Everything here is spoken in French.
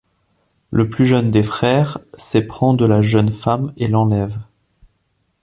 Le plus jeune des frères s'éprend de la jeune femme et l'enlève.